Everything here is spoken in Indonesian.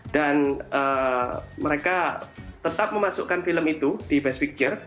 dan mereka tetap memasukkan film itu di best picture